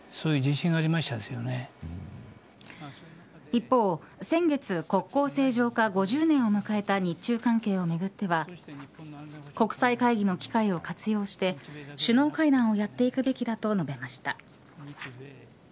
一方、先月国交正常化５０年を迎えた日中関係をめぐっては国際会議の機会を活用して首脳会談をやっていくべきだと述べました。